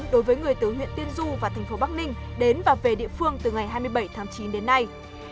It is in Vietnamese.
đối với người từ huyện tiên du và thành phố bắc ninh đến và về địa phương từ ngày hai mươi bảy tháng chín đến nay